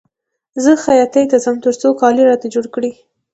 زه خیاطۍ ته ځم تر څو کالي راته جوړ کړي